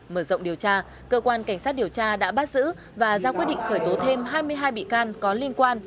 mở rộng điều tra cơ quan cảnh sát điều tra đã bắt giữ và ra quyết định khởi tố thêm hai mươi hai bị can có liên quan